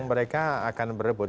mereka akan berebut